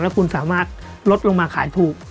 คุณสามารถลดลงมาขายถูก